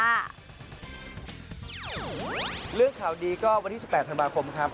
เรื่องข่าวดีก็วันที่๑๘ธันวาคมครับ